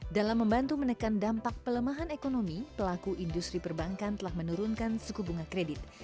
dalam membantu menekan dampak pelemahan ekonomi pelaku industri perbankan telah menurunkan suku bunga kredit